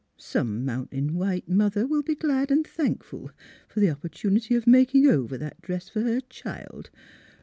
Some Mountain White mother will be glad an' thankful for the opportunity of making over that dress for her child.